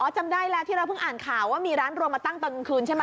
จำได้แล้วที่เราเพิ่งอ่านข่าวว่ามีร้านรวมมาตั้งตอนกลางคืนใช่ไหม